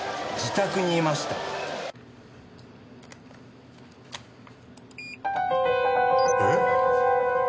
自宅にいました。え？